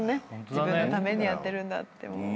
「自分のためにやってるんだ」と。